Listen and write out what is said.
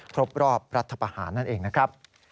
ครบรอบรัฐประหารนั่นเองนะครับ